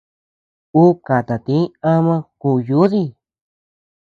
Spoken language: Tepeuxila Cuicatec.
Ú katatïi ama kúu yúdii.